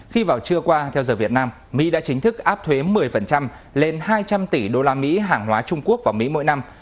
khi vào trưa qua theo giờ việt nam mỹ đã chính thức áp thuế một mươi lên hai trăm linh tỷ usd hàng hóa trung quốc vào mỹ mỗi năm